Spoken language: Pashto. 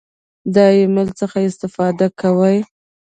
د ایمیل څخه استفاده کوئ؟